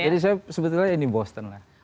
jadi saya sebetulnya ini boston lah